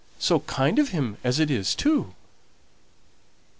So kind of him as it is, too!"